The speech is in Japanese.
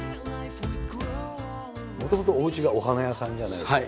もともとおうちがお花屋さんじゃないですか。